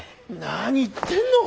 何言ってんの。